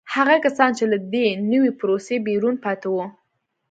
هغه کسان چې له دې نوې پروسې بیرون پاتې وو